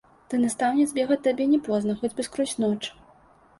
Да настаўніц бегаць табе не позна, хоць бы скрозь ноч.